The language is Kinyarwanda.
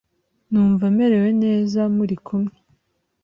Numva merewe neza muri kumwe.